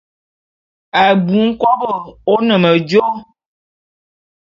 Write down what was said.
Abui nkôbo o ne medjo.